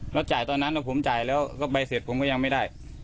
แล้วจ่ายตอนนั้นผมจ่ายแล้วก็ใบเสร็จผมก็ยังไม่ได้